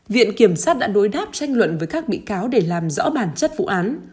viện kiểm sát đã đối đáp tranh luận với các bị cáo để làm rõ bản chất vụ án